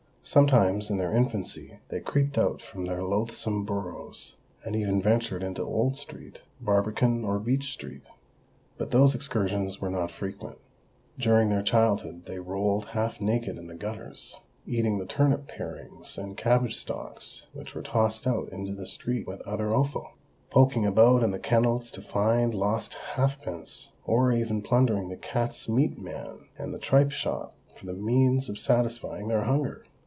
Sometimes in their infancy they creeped out from their loathsome burrows, and even ventured into Old Street, Barbican, or Beech Street. But those excursions were not frequent. During their childhood they rolled half naked in the gutters,—eating the turnip parings and cabbage stalks which were tossed out into the street with other offal,—poking about in the kennels to find lost halfpence,—or even plundering the cat's meat man and the tripe shop for the means of satisfying their hunger!